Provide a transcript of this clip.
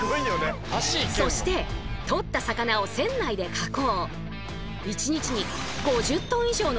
そして取った魚を船内で加工。